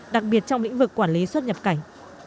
đặc biệt trong lĩnh vực quản lý xuất nhập cảnh